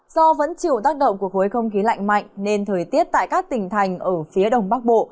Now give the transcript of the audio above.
do vẫn chịu tác động của khối không khí lạnh mạnh nên thời tiết tại các tỉnh thành ở phía đông bắc bộ